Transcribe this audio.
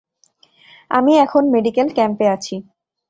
আমি এখন মেডিকেল ক্যাম্পে আছি।